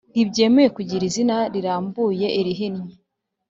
ntibyemerewe kugira izina rirambuye irihinnye